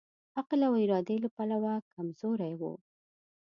عقل او ارادې له پلوه کمزوری وو.